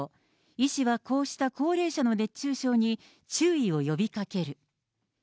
医師はこうした高齢者の熱中症に注意を呼びかける。